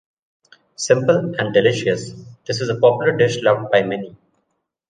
Simple and delicious, this is a popular dish loved by many.